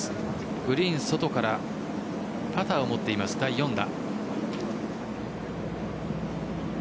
グリーン外からパターを持っています、第４打。